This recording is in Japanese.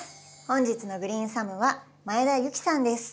本日のグリーンサムは前田有紀さんです。